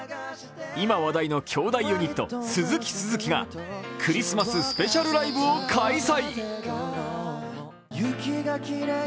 今話題の兄弟ユニット鈴木鈴木がクリスマススペシャルライブを開催。